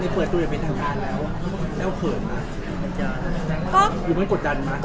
เปิดตัวอย่างเป็นทางเดินแล้ว